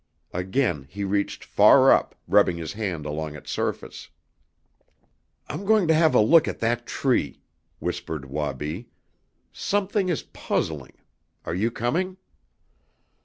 Again he reached far up, rubbing his hand along its surface. "I'm going to have a look at that tree!" whispered Wabi. "Something is puzzling Mukoki. Are you coming?"